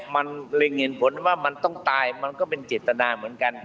มันเล็งเห็นผลว่ามันต้องตายมันก็เป็นเจตนาเหมือนกัน